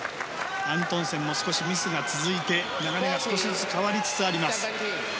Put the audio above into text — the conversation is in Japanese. アントンセンも少しミスが続いて流れが少しずつ変わりつつあります。